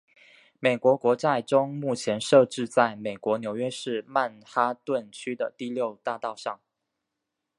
美国国债钟目前设置在美国纽约市曼哈顿区的第六大道上。